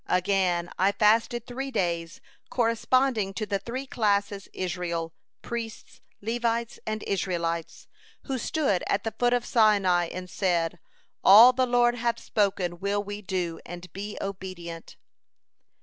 Again, I fasted three days corresponding to the three classes Israel, priests, Levites, and Israelites, who stood at the foot of Sinai, and said: 'All the Lord hath spoken will we do, and be obedient.'"